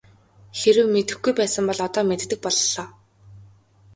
Хэрэв мэдэхгүй байсан бол одоо мэддэг боллоо.